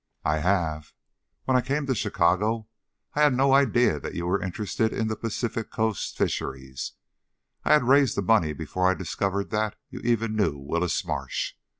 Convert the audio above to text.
"I have. When I came to Chicago, I had no idea that you were interested in the Pacific Coast fisheries, I had raised the money before I discovered that you even knew Willis Marsh.